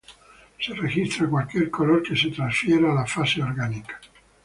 Se registra cualquier color que se transfiera a la fase orgánica.